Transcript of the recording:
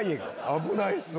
危ないっすわ。